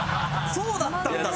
「そうだったんだ！」。